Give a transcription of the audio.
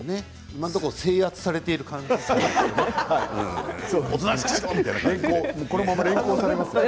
今のところ、制圧されている感じですね。